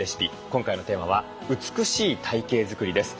今回のテーマは美しい体形作りです。